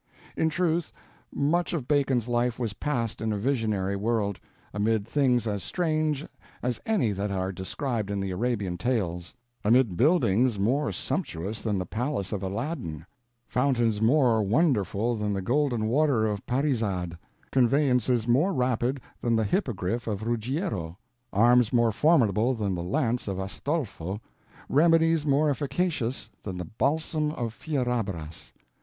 In truth, much of Bacon's life was passed in a visionary world—amid things as strange as any that are described in the Arabian Tales... amid buildings more sumptuous than the palace of Aladdin, fountains more wonderful than the golden water of Parizade, conveyances more rapid than the hippogryph of Ruggiero, arms more formidable than the lance of Astolfo, remedies more efficacious than the balsam of Fierabras.